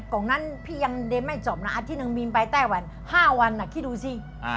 ตรงนั้นพี่ยังได้ไม่จบนะอาทิตย์นึงมีไปไต้วันห้าวันอ่ะคิดดูสิ